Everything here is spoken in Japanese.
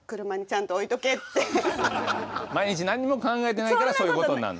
毎日何にも考えてないからそういうことになるの。